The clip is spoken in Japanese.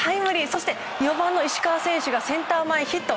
そして４番の石川選手がセンター前ヒット。